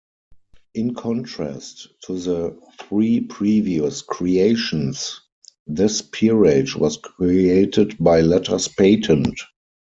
In contrast to the three previous creations this peerage was created by letters patent.